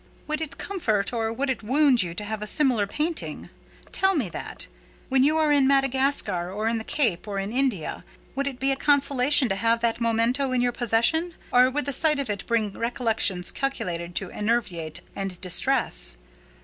"Would it comfort, or would it wound you to have a similar painting? Tell me that. When you are at Madagascar, or at the Cape, or in India, would it be a consolation to have that memento in your possession? or would the sight of it bring recollections calculated to enervate and distress?"